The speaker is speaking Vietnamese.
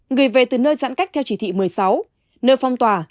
người về từ nơi giãn cách theo chỉ thị một mươi sáu nơi phong tỏa